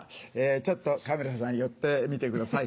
ちょっとカメラさん寄ってみてください。